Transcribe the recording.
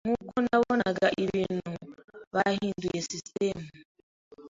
Nkuko nabonaga ibintu, bahinduye sisitemu.